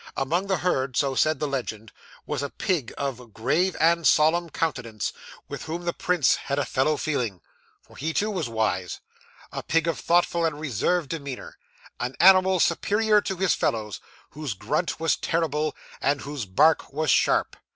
Among the herd (so said the legend) was a pig of grave and solemn countenance, with whom the prince had a fellow feeling for he too was wise a pig of thoughtful and reserved demeanour; an animal superior to his fellows, whose grunt was terrible, and whose bite was sharp.